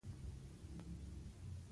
پور د ترلاسي لپاره سخته ژبه وکاروله.